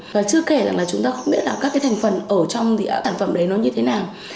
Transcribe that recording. và chưa kể rằng là chúng ta không biết là các cái thành phần ở trong sản phẩm đấy nó như thế nào